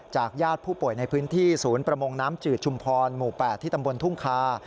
ญาติผู้ป่วยในพื้นที่ศูนย์ประมงน้ำจืดชุมพรหมู่๘ที่ตำบลทุ่งคา